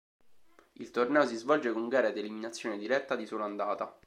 Il torneo si svolge con gare ad eliminazione diretta di sola andata.